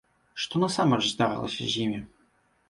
Што насамрэч здарылася з імі?